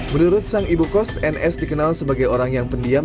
menurut sang ibu kos ns dikenal sebagai orang yang pendiam